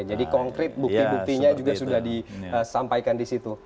jadi konkret bukti buktinya juga sudah disampaikan di situ